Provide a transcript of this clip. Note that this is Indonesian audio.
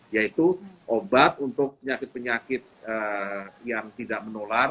yaitu obat untuk penyakit penyakit yang tidak menular